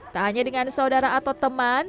tak hanya dengan saudara atau teman